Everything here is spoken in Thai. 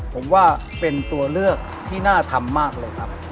ผมว่าเป็นตัวเลือกที่น่าทำมากเลยครับ